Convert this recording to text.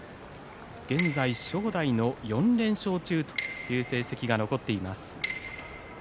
現在、正代の４連勝中という成績が残っています。